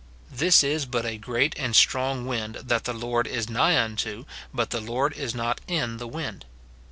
This is but a great and strong wind, that the Lord is nigh unto, but the Lord is not in the wind.